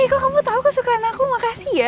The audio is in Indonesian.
eh kok kamu tau kesukaan aku makasih ya